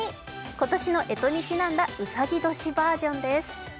今年のえとにちなんだうさぎ年バージョンです。